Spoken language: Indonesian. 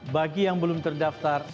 bagi yang belum terdaftar